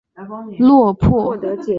落魄街头靠著施舍过活